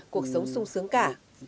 cuộc sống sung sướng cả